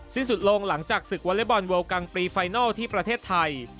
สิ้นสุดลงหลังจากศึกวอเล็กบอลเวิลกังปรีไฟนัลที่ประเทศไทย